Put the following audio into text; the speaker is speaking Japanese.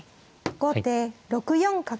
後手６四角。